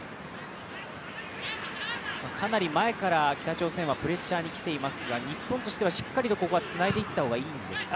かなり前から北朝鮮はプレッシャーに来ていますが日本としてはしっかりとここはつないでいった方がいいんですか。